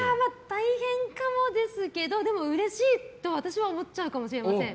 大変かもですけどうれしいと私は思っちゃうかもしれません。